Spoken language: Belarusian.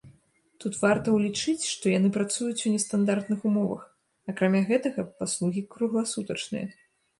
Тут варта ўлічыць, што яны працуюць у нестандартных умовах, акрамя гэтага, паслугі кругласутачныя.